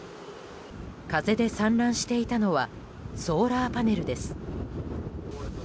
風で散乱していたのはソーラーパネルです。